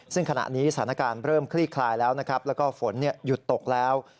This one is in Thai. ซึ่งขณะนี้สถานการณ์เริ่มคลี่คลายแล้วนะครับแล้วก็ฝนหยุดตกแล้ว